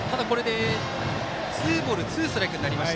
ツーボールツーストライクになりました。